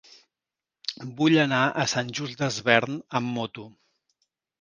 Vull anar a Sant Just Desvern amb moto.